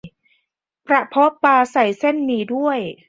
กระเพาะปลาใส่เส้นหมี่ด้วย